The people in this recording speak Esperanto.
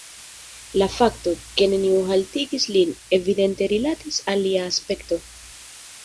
La fakto, ke neniu haltigis lin, evidente rilatis al lia aspekto.